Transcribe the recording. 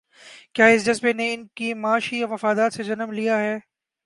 کیا اس جذبے نے ان کے معاشی مفادات سے جنم لیا ہے؟